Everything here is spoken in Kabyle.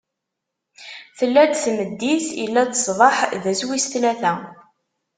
Tella-d tmeddit, illa-d ṣṣbeḥ: d ass wis tlata.